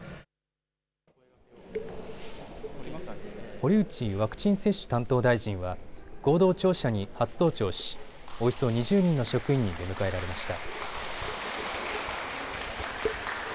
堀内ワクチン接種担当大臣は合同庁舎に初登庁しおよそ２０人の職員に出迎えられました。